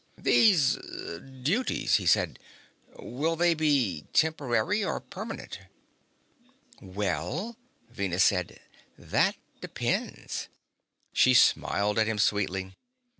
"These duties," he said. "Will they be temporary or permanent?" "Well," Venus said, "that depends." She smiled at him sweetly.